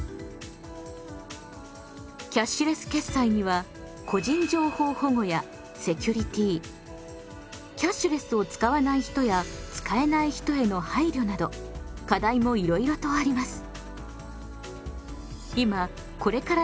キャッシュレス決済には個人情報保護やセキュリティキャッシュレスを使わない人や使えない人への配慮など課題もいろいろとあります。